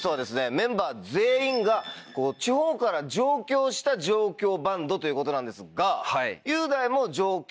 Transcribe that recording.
メンバー全員が地方から上京した上京バンドということなんですが雄大も上京。